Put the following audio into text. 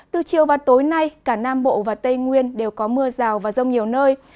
từ chiều và tối nay cả nam bộ và tây nguyên đều có mưa rào và rông nhiều nơi